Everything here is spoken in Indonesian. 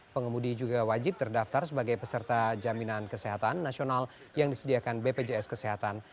pengemudi juga wajib terdaftar sebagai peserta jaminan kesehatan nasional yang disediakan bpjs kesehatan